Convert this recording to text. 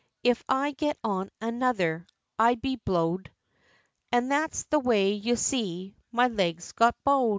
If I get on another, I'll be blow'd! And that's the way, you see, my legs got bow'd!